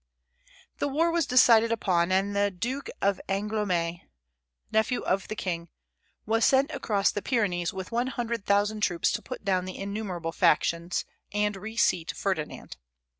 The war was decided upon, and the Duke of Angoulême, nephew of the king, was sent across the Pyrenees with one hundred thousand troops to put down the innumerable factions, and reseat Ferdinand.